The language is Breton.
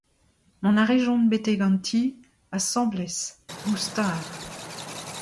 Mont a rejont betek an ti, asambles, goustad.